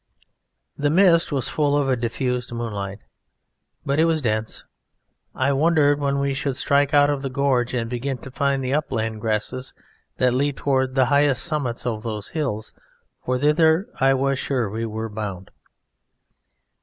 The mist was full of a diffused moonlight, but it was dense. I wondered when we should strike out of the gorge and begin to find the upland grasses that lead toward the highest summits of those hills, for thither I was sure were we bound.